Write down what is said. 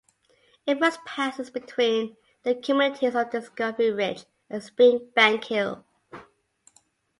It first passes between the communities of Discovery Ridge and Springbank Hill.